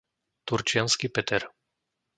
Turčiansky Peter